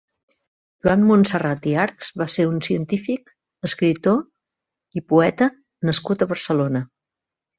Joan Montserrat i Archs va ser un cientific, escriptor i poeta nascut a Barcelona.